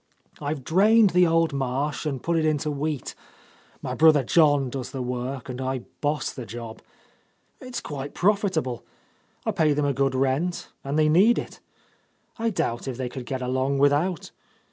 I've drained the old marsh and put it into wheat. My brother John does the work, and I boss the job. It's quite profitable. I pay them a good rent, and they need it. I doubt if they could get along without.